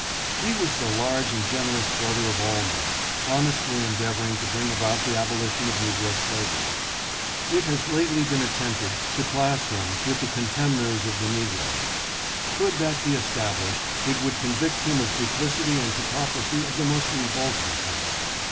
He was the large and generous brother of all men, honestly endeavoring to bring about the abolition of negro slavery. It has lately been attempted to class him with the contemners of the negro. Could that be established, it would convict him of duplicity and hypocrisy of the most revolting kind.